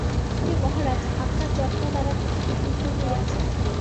হে মহারাজ, আপনার জন্ম দ্বারা পৃথিবী ধন্য হইয়াছে।